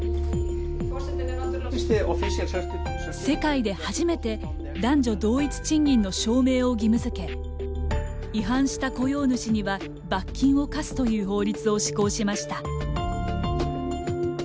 世界で初めて男女同一賃金の証明を義務づけ違反した雇用主には罰金を科すという法律を施行しました。